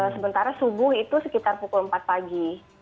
sementara subuh itu sekitar pukul empat pagi